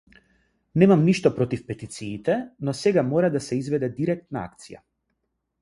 Немам ништо против петициите, но сега мора да се изведе директна акција.